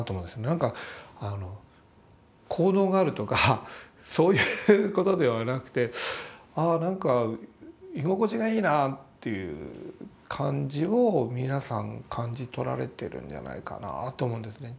なんか効能があるとかそういうことではなくてああなんか居心地がいいなという感じを皆さん感じ取られてるんではないかなと思うんですね。